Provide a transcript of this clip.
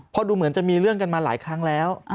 เพราะดูเหมือนจะมีเรื่องกันมาหลายครั้งแล้ว